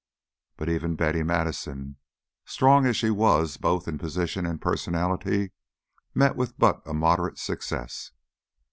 But even Betty Madison, strong as she was both in position and personality, met with but a moderate success.